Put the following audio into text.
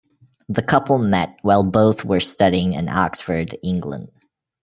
The couple met while both were studying in Oxford, England.